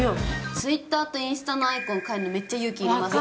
ツイッターとインスタのアイコン変えるのめっちゃ勇気いりません？